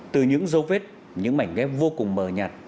từ những dấu vết những mảnh ghép vô cùng mờ nhạt